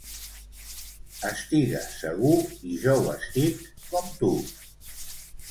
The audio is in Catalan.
Estigues segur i jo ho estic com tu.